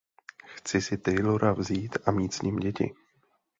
Chci si Taylora vzít a mít s ním děti.